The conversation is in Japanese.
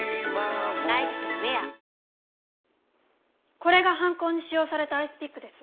これが犯行に使用されたアイスピックです。